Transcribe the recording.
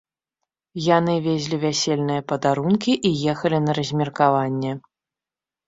Яны везлі вясельныя падарункі і ехалі на размеркаванне.